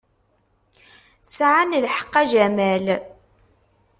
Sɛan lḥeqq, a Jamal.